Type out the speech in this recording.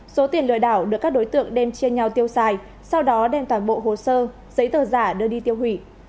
số tiền lừa đảo được các đối tượng đem chia nhau tiêu xài sau đó đem toàn bộ hồ sơ giấy tờ giả đưa đi tiêu hủy